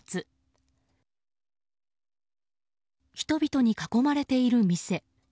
人々に囲まれている店。